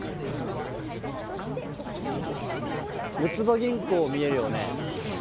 四つ葉銀行見えるよね？